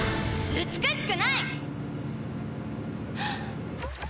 美しくない！